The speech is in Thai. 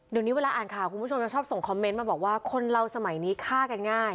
เดี๋ยวนี้เวลาอ่านข่าวคุณผู้ชมจะชอบส่งคอมเมนต์มาบอกว่าคนเราสมัยนี้ฆ่ากันง่าย